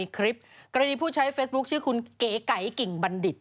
กรณีผู้ใช้เฟซบุ๊กชื่อคุณเก๋ไก่กิ่งบันดิษย์